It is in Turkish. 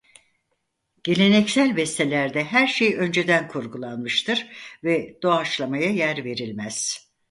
Geleneksel bestelerde her şey önceden kurgulanmıştır ve doğaçlamaya yer verilmez.